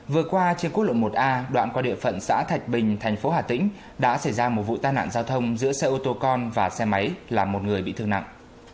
vừa qua trên quốc lộ một a đoạn qua địa phận xã thạch bình thành phố hà tĩnh đã xảy ra một vụ tai nạn giao thông giữa xe ô tô con và xe máy làm một người bị thương nặng